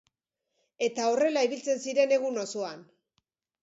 Eta horrela ibiltzen ziren egun osoan.